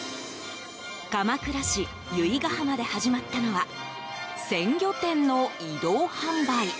鎌倉市由比ガ浜で始まったのは鮮魚店の移動販売。